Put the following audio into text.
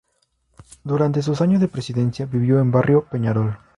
Durante sus años de presidencia vivió en barrio Peñarol.